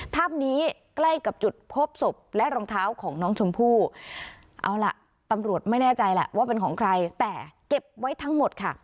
ถ้ำนี้ใกล้กับจุดพบศพและรองเท้าของน้องชมพู่เอาล่ะตำรวจไม่แน่ใจแหละว่าเป็นของใครแต่เก็บไว้ทั้งหมดค่ะ